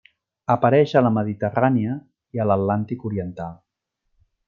Apareix a la Mediterrània i a l'Atlàntic oriental.